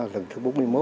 lần thứ bốn mươi một